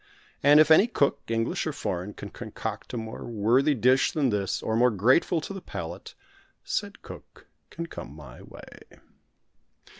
And if any cook, English or foreign, can concoct a more worthy dish than this, or more grateful to the palate, said cook can come my way.